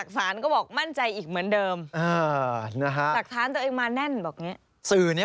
ไม่ไม่มีไม่มี